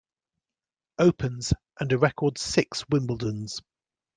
Opens, and a record six Wimbledons.